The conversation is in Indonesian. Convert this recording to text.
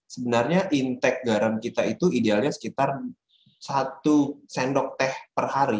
sebenarnya intake garam kita itu idealnya sekitar satu sendok teh per hari